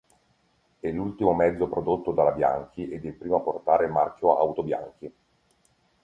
È l'ultimo mezzo prodotto dalla Bianchi ed il primo a portare il marchio Autobianchi.